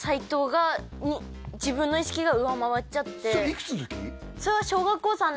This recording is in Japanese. いくつの時？